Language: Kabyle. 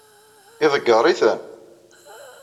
Iḍeggeṛ-iten?